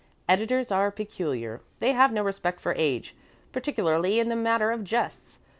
Editors are peculiar. They have no respect for age particularly in the matter of jests.